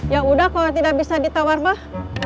ya udah kalau tidak bisa ditawar mah